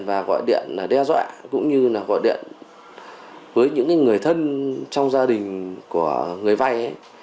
và gọi điện đe dọa cũng như là gọi điện với những người thân trong gia đình của người vay